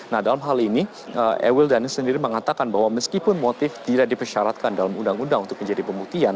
nah dalam hal ini ewil dhani sendiri mengatakan bahwa meskipun motif tidak dipersyaratkan dalam undang undang untuk menjadi pembuktian